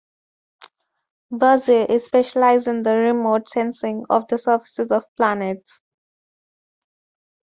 Bussey is specialized in the remote sensing of the surfaces of planets.